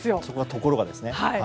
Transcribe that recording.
それは、ところがですね。